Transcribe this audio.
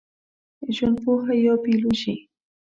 ژوندپوهه یا بېولوژي